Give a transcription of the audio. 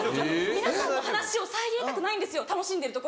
・皆さんの話を遮りたくないんです楽しんでるところを。